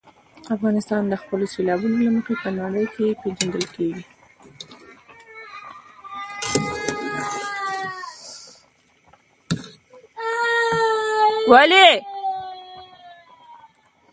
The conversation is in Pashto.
افغانستان د خپلو سیلابونو له مخې په نړۍ کې پېژندل کېږي.